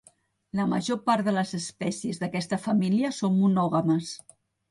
La major part de les espècies d'aquesta família són monògames.